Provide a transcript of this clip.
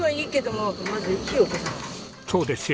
そうですよ。